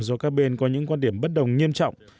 do các bên có những quan điểm bất đồng nghiêm trọng